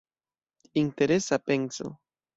Interesa penso.